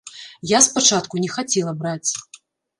Я спачатку не хацела браць.